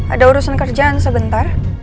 ada urusan kerjaan sebentar